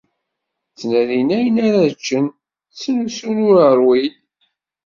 Ttnadin ayen ara ččen; ttnusun ur ṛwin.